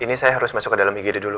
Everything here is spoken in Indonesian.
ini saya harus masuk ke dalam igd dulu